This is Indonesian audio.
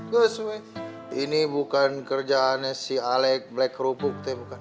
good weh ini bukan kerjaannya si alec black rupuk tuh ya bukan